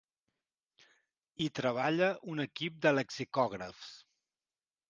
Hi treballa un equip de lexicògrafs.